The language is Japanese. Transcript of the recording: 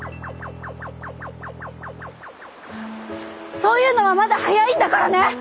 そういうのはまだ早いんだからね！